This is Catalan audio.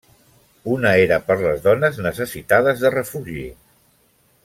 Una era per les dones necessitades de refugi.